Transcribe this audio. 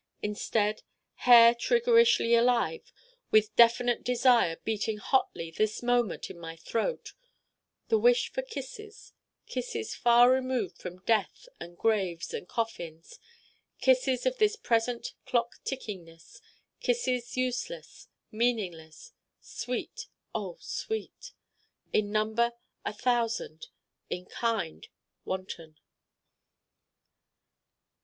Instead, hair triggerishly alive, with definite desire beating hotly this moment in my throat: the wish for Kisses Kisses far removed from Death and Graves and Coffins: Kisses of this present clock tickingness, Kisses useless, meaningless, sweet oh, sweet! in number, a Thousand: in kind. Wanton.